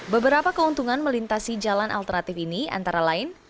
beberapa keuntungan melintasi jalan alternatif ini antara lain